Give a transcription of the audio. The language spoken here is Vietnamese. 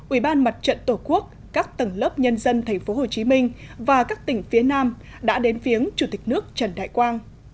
ủy ban mặt trận tổ quốc các tầng lớp nhân dân tp hcm và các tỉnh phía nam đã đến viếng chủ tịch nước trần đại quang